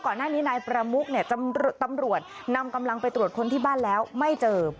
ก่อนหน้านี้นายประมุกตำรวจนำกำลังไปตรวจคนที่บ้านแล้วไม่เจอ